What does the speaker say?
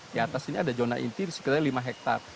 di atas ini ada zona inti sekitar lima hektare